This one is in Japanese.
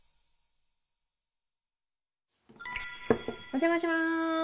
お邪魔します。